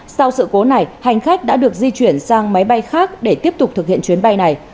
sau sự cố này hành khách đã được di chuyển sang máy bay khác để tiếp tục thực hiện chuyến bay này